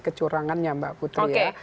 kecurangannya mbak putri